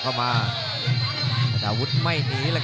กำปั้นขวาสายวัดระยะไปเรื่อย